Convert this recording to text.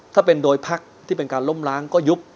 ถ้าเป็นโดยพักที่เป็นการล้มล้างก็ยุบ